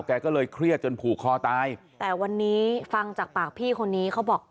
แกก็เลยเครียดจนผูกคอตายแต่วันนี้ฟังจากปากพี่คนนี้เขาบอก